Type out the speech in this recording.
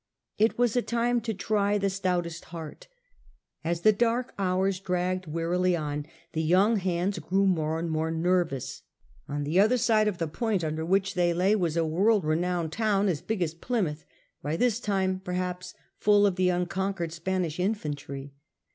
It was a time to try the stoutest heart As the dark hours dragged wearily on, the young hands grew more and more nervous. On the other side of the point under which they lay was a world renowned town, as big as Plymouth, by this time perhaps full of the un conquered Spanish infantry.